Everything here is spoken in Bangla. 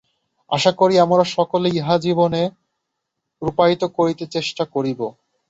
আশা করি, আমরা সকলে ইহা জীবনে রূপায়িত করিতে চেষ্টা করিব।